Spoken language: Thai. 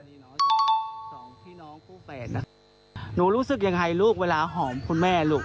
หนูรู้สึกอย่างไรลูกเวลาหอมคุณแม่ลูก